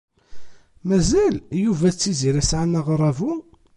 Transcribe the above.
Mazal Yuba d Tiziri sɛan aɣerrabu?